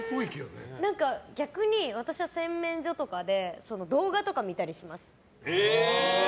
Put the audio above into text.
逆に私は洗面所とかで動画とか見たりします。